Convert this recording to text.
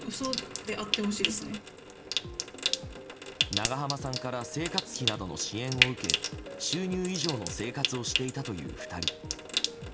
長濱さんから生活費などの支援を受け収入以上の生活をしていたという２人。